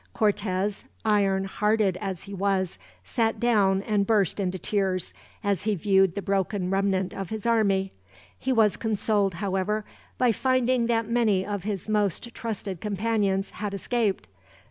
Cortez, iron hearted as he was, sat down and burst into tears as he viewed the broken remnant of his army. He was consoled, however, by finding that many of his most trusted companions had escaped.